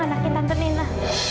anaknya tante nena